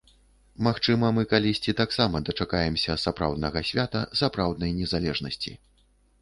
Магчыма, мы калісьці таксама дачакаемся сапраўднага свята сапраўднай незалежнасці.